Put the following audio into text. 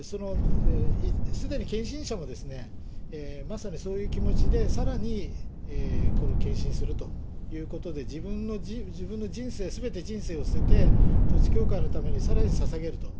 すでにけんしん者も、まさにそういう気持ちで、さらにけんしんするということで、自分の人生すべて人生を捨てて、統一教会のためにさらにささげると。